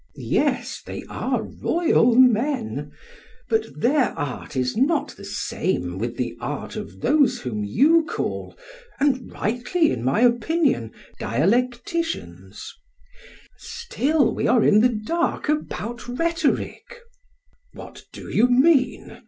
PHAEDRUS: Yes, they are royal men; but their art is not the same with the art of those whom you call, and rightly, in my opinion, dialecticians: Still we are in the dark about rhetoric. SOCRATES: What do you mean?